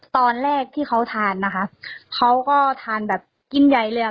ตอนแรกที่เขาทานนะคะเขาก็ทานแบบกินใหญ่เลยอ่ะ